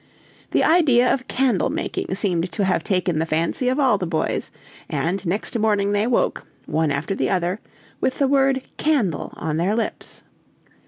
The idea of candle making seemed to have taken the fancy of all the boys; and next morning they woke, one after the other, with the word candle on their lips.